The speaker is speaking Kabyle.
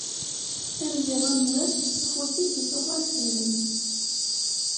Am yiḍ am wass afus-ik ittaẓẓay fell-i.